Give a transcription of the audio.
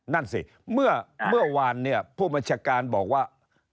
นั่นสิเมื่อวานเนี่ยผู้บัญชาการบอกว่า